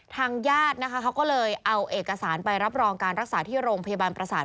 ทางญาตินะคะเขาก็เลยเอาเอกสารไปรับรองการรักษาที่โรงพยาบาลประสาท